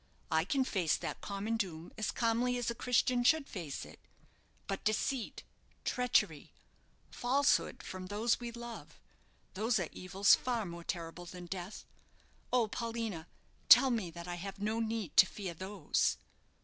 I can face that common doom as calmly as a Christian should face it. But deceit, treachery, falsehood from those we love those are evils far more terrible than death. Oh, Paulina! tell me that I have no need to fear those?"